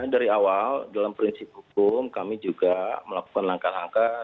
dari awal dalam prinsip hukum kami juga melakukan langkah langkah